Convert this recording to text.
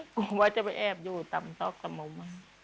กลัวว่าจะไปแอบอยู่ต่อมุม